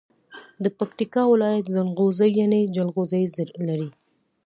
د پکیتکا ولایت زنغوزي یعنی جلغوزي لري.